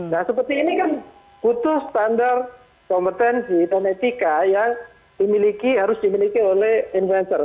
nah seperti ini kan butuh standar kompetensi dan etika yang harus dimiliki oleh influencer